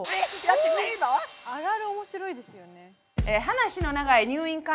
あるある面白いですよね。